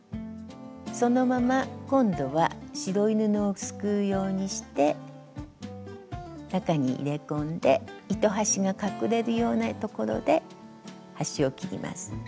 そのまま今度は白い布をすくうようにして中に入れ込んで糸端が隠れるようなところで端を切ります。